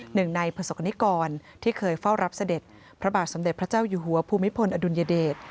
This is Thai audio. หนึ่งในประสบกรณิกรที่เคยเฝ้ารับเสด็จพระบาทสมเด็จพระเจ้าอยู่หัวภูมิพลอดุลยเดช